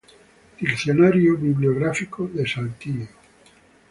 Diccionario Biográfico de Saltillo.